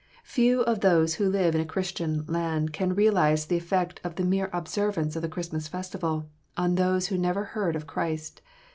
Few of those who live in a Christian land can realize the effect of the mere observance of the Christmas festival on those who never heard of Christ.